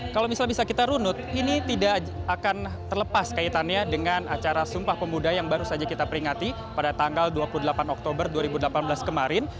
kalau misalnya bisa kita runut ini tidak akan terlepas kaitannya dengan acara sumpah pemuda yang baru saja kita peringati pada tanggal dua puluh delapan oktober dua ribu delapan belas kemarin